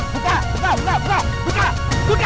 tunggu pembalasan gua